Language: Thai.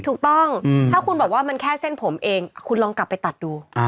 ถูกต้องถ้าคุณบอกว่ามันแค่เส้นผมเองคุณลองกลับไปตัดดู